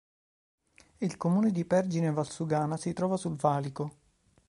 Il comune di Pergine Valsugana si trova sul valico.